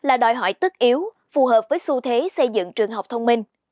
đặc biệt là đòi hỏi tức yếu phù hợp với xu thế xây dựng trường học thông minh